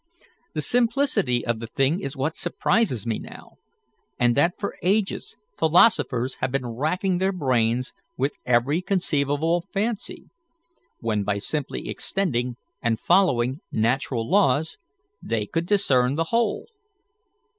The simplicity of the thing is what surprises me now, and that for ages philosophers have been racking their brains with every conceivable fancy, when, by simply extending and following natural laws, they could discern the whole."